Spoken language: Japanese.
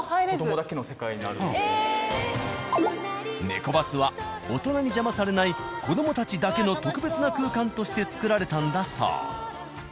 ネコバスは大人に邪魔されない子どもたちだけの特別な空間としてつくられたんだそう。